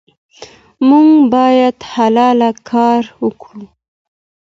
موږ باید حلال کار وکړو.